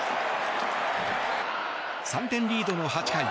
３点リードの８回。